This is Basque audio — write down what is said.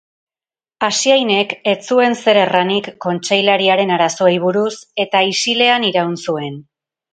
Asiainek ez zuen zer erranik kontseilariaren arazoei buruz, eta isilean iraun zuen.